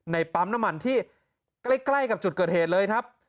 ปั๊มน้ำมันที่ใกล้กับจุดเกิดเหตุเลยครับ